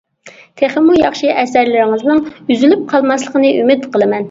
تېخىمۇ ياخشى ئەسەرلىرىڭىزنىڭ ئۈزۈلۈپ قالماسلىقىنى ئۈمىد قىلىمەن.